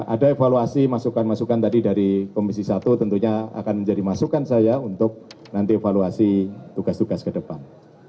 ada evaluasi masukan masukan tadi dari komisi satu tentunya akan menjadi masukan saya untuk nanti evaluasi tugas tugas ke depan